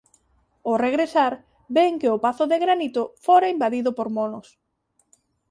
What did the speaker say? Ó regresar ven que o Pazo de Granito fora invadido por monos.